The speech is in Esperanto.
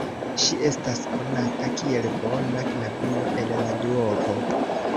Ŝi estas konata kiel bona knabino el la duopo.